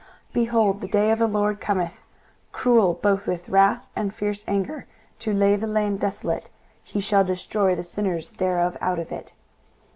23:013:009 Behold, the day of the LORD cometh, cruel both with wrath and fierce anger, to lay the land desolate: and he shall destroy the sinners thereof out of it.